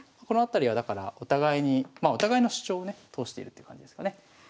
このあたりはだからお互いにまあお互いの主張をね通しているって感じですかね。